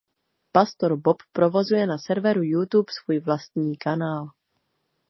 Pastor Bob provozuje na serveru youtube svůj vlastní kanál.